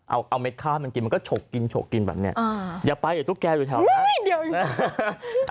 เอาเอาเม็ดข้าวให้มันกินมันก็ฉกกินฉกกินแบบนี้อย่าไปเดี๋ยวตุ๊กแกอยู่แถวนั้น